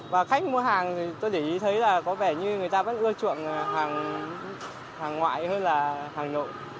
và khách mua hàng thì tôi để ý thấy là có vẻ như người ta vẫn ưa chuộng hàng ngoại hay là hàng nội